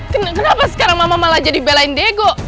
kenapa sekarang mama malah jadi belain diego